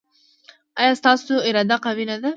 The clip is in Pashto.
ایا ستاسو اراده قوي نه ده؟